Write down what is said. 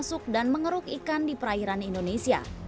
masuk dan mengeruk ikan di perairan indonesia